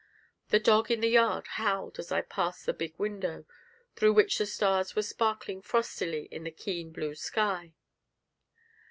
The dog in the yard howled as I passed the big window, through which the stars were sparkling frostily in the keen blue sky.